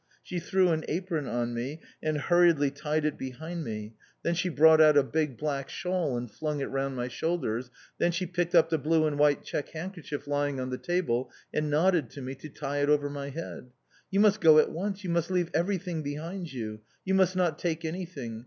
She threw an apron on me, and hurriedly tied it behind me, then she brought out a big black shawl and flung it round my shoulders. Then she picked up the blue and white check handkerchief lying on the table, and nodded to me to tie it over my head. "You must go at once, you must leave everything behind you. You must not take anything.